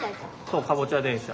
そうかぼちゃ電車。